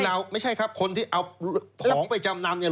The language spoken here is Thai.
เราไม่ใช่ครับคนที่เอาของไปจำนำเนี่ย